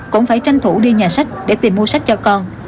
cũng phải tranh thủ đi nhà sách để tìm mua sách cho con